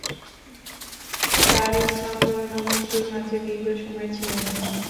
তার ইসলাম গ্রহণ ও মৃত্যুর মাঝে দীর্ঘ সময় ছিল না।